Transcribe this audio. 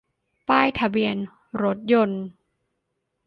ป้ายทะเบียนรถยนต์